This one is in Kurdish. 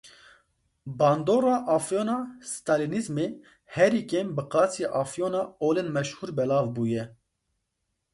Bandora afyona stalînîzmê, herî kêm bi qasî afyona olên meşhûr belav bûye.